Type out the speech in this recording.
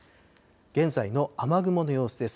現在の雨雲の様子です。